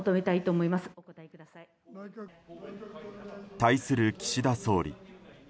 対する岸田総理。